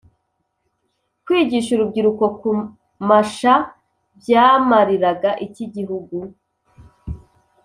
kwigisha urubyiruko kumasha byamariraga iki igihugu?